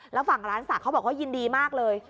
แล้วฝั่งร้านศักดิ์เขาบอกว่ายินดีมากเลย